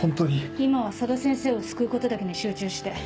今は佐渡先生を救うことだけに集中して。